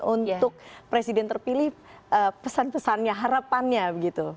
untuk presiden terpilih pesan pesannya harapannya begitu